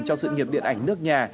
cho sự nghiệp điện ảnh nước nhà